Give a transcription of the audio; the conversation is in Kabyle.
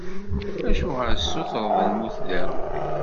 Acuɣer i tessutureḍ lmut di Rebbi?